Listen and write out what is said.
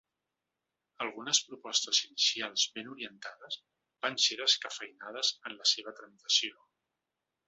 Algunes propostes inicials ben orientades van ser descafeïnades en la seva tramitació.